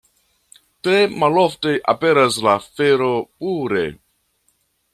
Tre malofte aperas la fero pure.